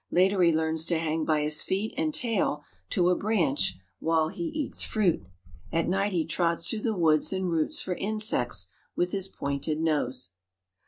Later he learns to hang by his feet and tail to a branch while he eats fruit. At night he trots through the woods and roots for insects with his pointed nose.